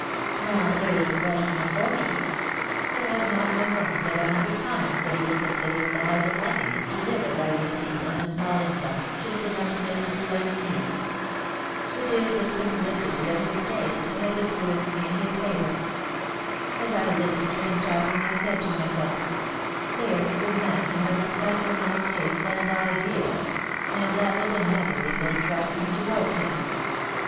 Now, there is the question of fortune; but has not Masson said a hundred times that he would consider it the height of happiness to live at La Heuserie on a small income, just enough to make the two ends meet? It is the simplicity of his tastes that has influenced me in his favor. As I listened to him talking I said to myself : There is a man who has exactly my tastes and ideas — and that was another thing that attracted me towards him.